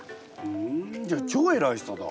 ふんじゃあ超偉い人だ。